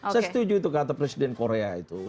saya setuju itu kata presiden korea itu